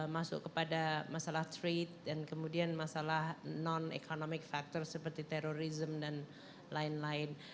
masuk kepada masalah trade dan kemudian masalah non economic factor seperti terorisme dan lain lain